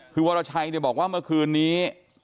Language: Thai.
คือวรชัยบอกว่าเมื่อคืนนี้